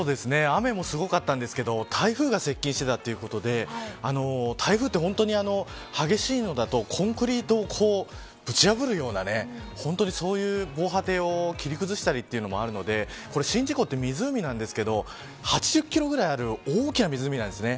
そうですね、雨もすごかったんですけど台風が接近していたということで台風は、本当に激しいのだとコンクリートをぶち破るような防波堤を切り崩したりというものもあるので宍道湖は湖ですが８０キロくらいある大きな湖なんです。